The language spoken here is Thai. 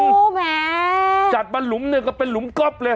โอ้โหแหมจัดมาหลุมหนึ่งก็เป็นหลุมก๊อบเลย